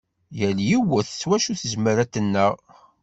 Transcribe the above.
Yal yiwet s wacu tezmer ad tennaɣ.